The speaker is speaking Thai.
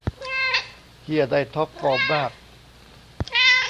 เหี้ยได้ท็อปฟอร์มมาก